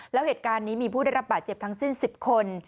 แล้วเหตุการณ์นี้มีผู้ได้รับบาดเจ็บทั้งสิ้น๑๐คน